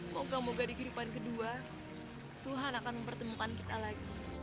moga moga di kehidupan kedua tuhan akan mempertemukan kita lagi